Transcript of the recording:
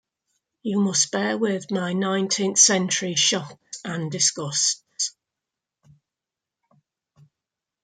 You must bear with my nineteenth century shocks and disgusts.